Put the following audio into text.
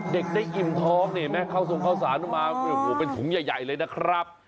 เด็กได้อิ่มท้องนี่เห็นไหมเข้าทรงเข้าสารออกมาเป็นถุงใหญ่เลยนะครับ